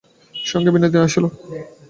সঙ্গে বিনোদিনী আসিল।